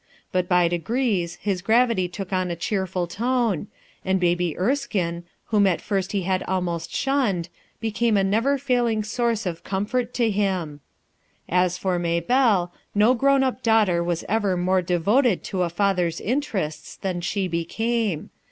But by degrees his gravity took on a cheerful tone, and Baby Erskine, whom at first he had almost shunned" became a never failing source of comfort to him As for Maybelle, no grown up daughter was ever more devoted to a father's interests than she became.